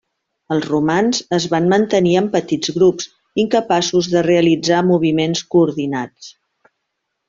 Els romans es van mantenir en petits grups, incapaços de realitzar moviments coordinats.